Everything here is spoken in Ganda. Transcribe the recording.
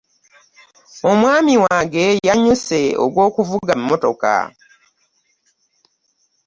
Omwami wange yanyuse o'gwokuvuga emotoka.